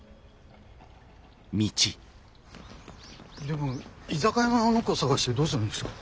でも居酒屋のあの子捜してどうするんですか？